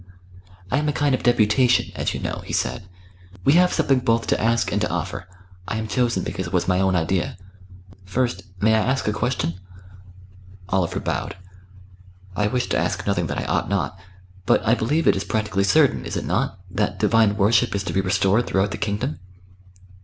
"I am a kind of deputation, as you know," he said. "We have something both to ask and to offer. I am chosen because it was my own idea. First, may I ask a question?" Oliver bowed. "I wish to ask nothing that I ought not. But I believe it is practically certain, is it not? that Divine Worship is to be restored throughout the kingdom?"